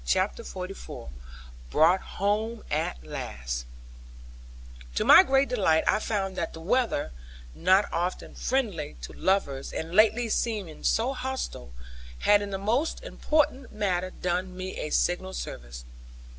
CHAPTER XLIV BROUGHT HOME AT LAST To my great delight I found that the weather, not often friendly to lovers, and lately seeming so hostile, had in the most important matter done me a signal service.